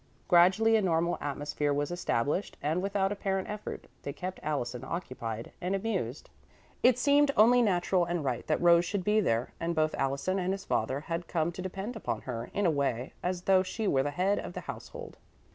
Gradually a normal atmosphere was established, and, without apparent effort, they kept Allison occupied and amused. It seemed only natural and right that Rose should be there, and both Allison and his father had come to depend upon her, in a way, as though she were the head of the household.